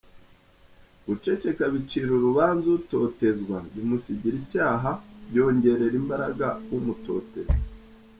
Guceceka bicira urubanza utotezwa, bimusiga icyaha, byongerera imbaraga umutoteza.